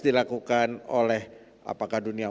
dilakukan oleh apakah dunia